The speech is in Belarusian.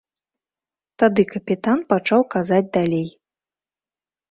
Тады капітан пачаў казаць далей.